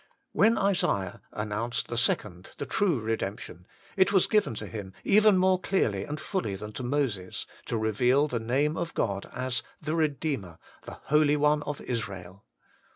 When Isaiah announced the second, the true re demption, it was given to him, even more clearly and fully than to Moses, to reveal the name of God as ' The Eedeemer, the Holy One of Israel.'